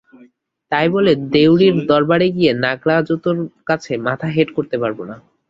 তাই বলে দেউড়ির দরবারে গিয়ে নাগরা জুতোর কাছে মাথা হেঁট করতে পারব না।